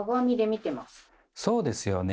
そうですよね。